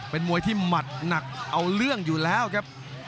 เป็นมวยที่หมัดหนักเอาเรื่องอยู่แล้วครับ